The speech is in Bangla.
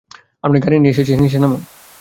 আমি গাড়ি নিয়ে এসেছি, নিচে নামো।